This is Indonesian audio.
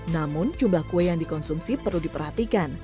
namun jumlah kue yang dikonsumsi perlu diperhatikan